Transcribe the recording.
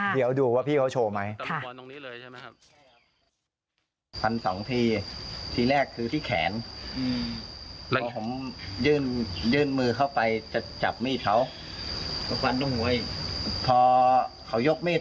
เดี๋ยวดูว่าพี่เขาโชว์ไหมครับ